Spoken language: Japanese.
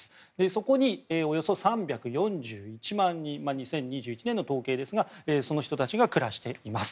そこにおよそ３４１万人２０２１年の統計ですがその人たちが暮らしています。